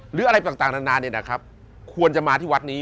หรืออะไรต่างนานเนี่ยนะครับควรจะมาที่วัดนี้